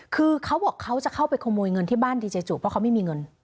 คือเขาบอกเขาจะเข้าไปขโมยเงินที่บ้านดีเจจุเพราะเขาไม่มีเงิน